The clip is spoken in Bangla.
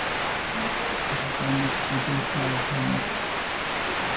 এই অধ্যায়ের মূল বিষয় ছিল মন্দির নির্মাণ শিল্প।